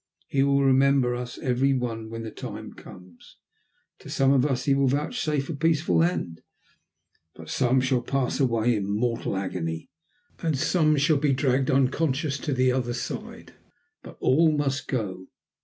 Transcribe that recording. He will remember us every one when the time comes; to some of us he will vouchsafe a peaceful end, but some shall pass away in mortal agony, and some shall be dragged unconscious to the other side; but all must go.